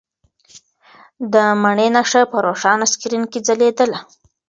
د مڼې نښه په روښانه سکرین کې ځلېدله.